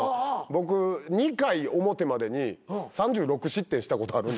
僕２回表までに３６失点したことある。